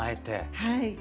はい。